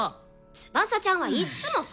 翼ちゃんはいっつもそう！